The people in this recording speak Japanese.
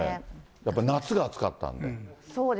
やっぱ夏が暑かったんで。